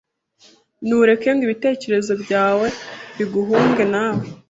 Ntureke ngo ibitekerezo byawe biguhunge nawe.